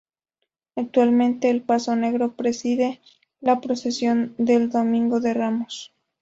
Actualmente, el Paso Negro preside la procesión del Domingo de Ramos.